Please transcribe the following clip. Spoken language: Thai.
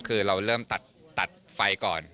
คือเราเริ่มตัดไฟก่อน